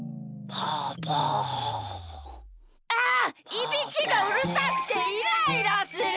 いびきがうるさくてイライラする！